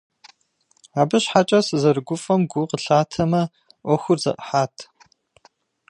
Абы щхьэкӀэ сызэрыгуфӀэм гу къылъатэмэ, Ӏуэхур зэӀыхьат.